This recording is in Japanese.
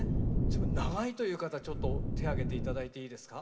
長いという方ちょっと手挙げて頂いていいですか？